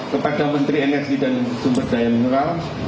kepada menteri energi dan sumber daya mineral